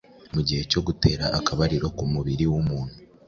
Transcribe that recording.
mu gihe cyo gutera akabariro ku mubiri w’umuntu